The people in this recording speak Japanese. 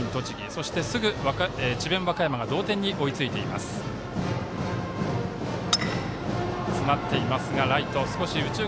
そして、すぐ智弁和歌山が同点に追いついています。